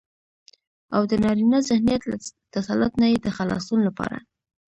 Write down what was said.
او دنارينه ذهنيت له تسلط نه يې د خلاصون لپاره